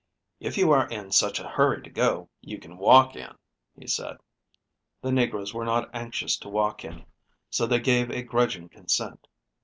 "If you are in such a hurry to go, you can walk in," he said. The negroes were not anxious to walk in, so they gave a grudging consent.